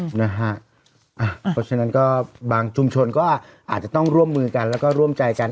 เพราะฉะนั้นก็บางชุมชนก็อาจจะต้องร่วมมือกันแล้วก็ร่วมใจกัน